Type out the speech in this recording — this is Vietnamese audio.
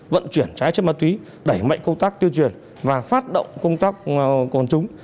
vận chuyển trái ma túy đẩy mạnh công tác tuyên truyền và phát động công tác còn chúng